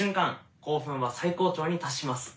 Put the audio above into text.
興奮は最高潮に達します。